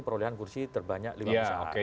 perolehan kursi terbanyak lima pesawat